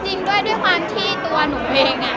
จริงด้วยความที่ตัวหนูเอง